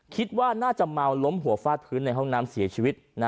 คิดว่าน่าจะเมาล้มหัวฟาดพื้นในห้องน้ำเสียชีวิต